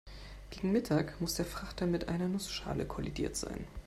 Gegen Mittag muss der Frachter mit einer Nussschale kollidiert sein.